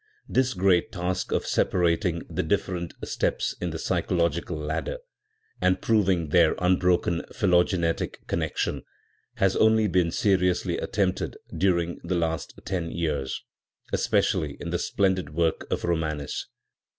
This great task of separat 108 PSYCHIC GRADATIONS ing the different steps in the psychological ladder, and proving their unbroken phylogenetic connection, has only been seriously attempted during the last ten years, especially in the splendid work of Romanes.